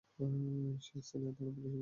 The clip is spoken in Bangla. সে স্থানীয় থানার পুলিশ অফিসার।